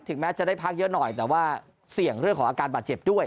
แม้จะได้พักเยอะหน่อยแต่ว่าเสี่ยงเรื่องของอาการบาดเจ็บด้วย